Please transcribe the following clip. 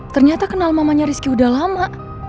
ternyata kenal mamanya rizky udah lama